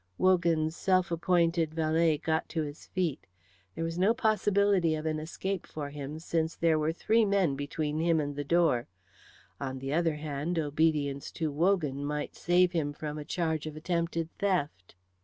Wogan's self appointed valet got to his feet. There was no possibility of an escape for him since there were three men between him and the door. On the other hand, obedience to Wogan might save him from a charge of attempted theft.